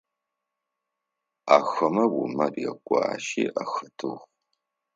Ахэмэ Умар ягуащи ахэтыгъ.